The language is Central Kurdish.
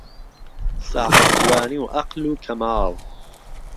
ساحب جوانی و عهقل و کهماڵ